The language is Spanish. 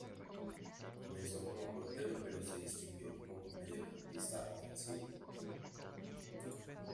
Comenzó como portero pero se distinguió como mediocampista ofensivo.